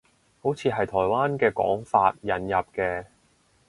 好似係台灣嘅講法，引入嘅